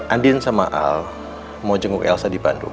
andi sama ahl mau jenguk elsa di bandung